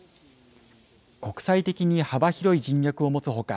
国際的に幅広い人脈を持つほか、